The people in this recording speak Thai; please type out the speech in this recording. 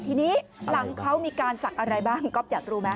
ทีนี้หลังเขามีการศักดิ์อะไรบ้างก๊อฟอยากรู้ไหม